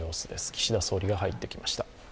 岸田総理が入ってきました。